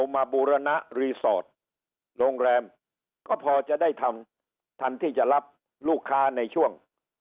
บูรณะรีสอร์ทโรงแรมก็พอจะได้ทำทันที่จะรับลูกค้าในช่วง